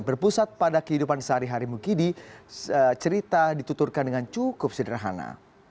berpusat pada kehidupan sehari hari mukidi cerita dituturkan dengan cukup sederhana